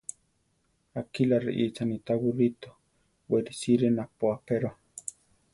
A kilá riʼíchane tá buríto; we risíre napó apéroa.